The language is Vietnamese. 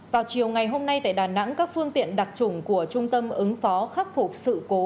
vào chiều ngày hôm nay tại đà nẵng các phương tiện đặc trùng của trung tâm ứng phó khắc phục sự cố